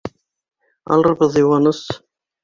Алырбыҙ йыуаныс.